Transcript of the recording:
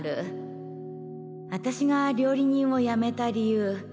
私が料理人をやめた理由